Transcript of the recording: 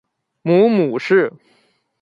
母母氏。